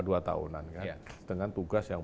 dua tahunan kan dengan tugas yang